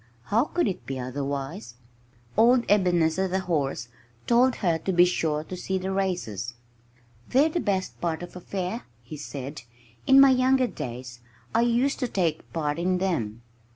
How could it be otherwise? Old Ebenezer, the horse, told her to be sure to see the races. "They're the best part of a fair," he said. "In my younger days I used to take part in them."